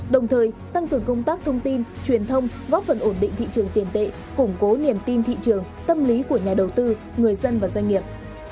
đồng thời tăng cường công tác thông tin truyền thông góp phần ổn định thị trường tiền tệ củng cố niềm tin thị trường tâm lý của nhà đầu tư người dân và doanh nghiệp